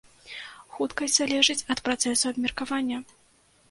Хуткасць залежыць ад працэсу абмеркавання.